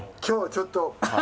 今日はちょっと。